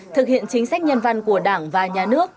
thực hiện chính sách nhân văn của đảng và nhà nước